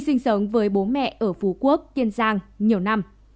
my sinh sống với bố mẹ ở phú quốc tiên giang nhiều năm